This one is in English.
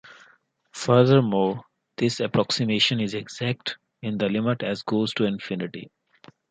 Furthermore, this approximation is exact in the limit as goes to infinity.